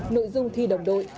nội dung thi đồng đội